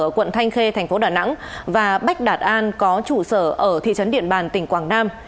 ở quận thanh khê thành phố đà nẵng và bách đạt an có trụ sở ở thị trấn điện bàn tỉnh quảng nam